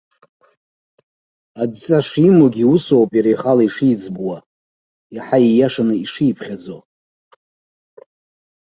Адҵа шимоугьы усоуп, иара ихала ишиӡбуа, иаҳа ииашаны ишиԥхьаӡо.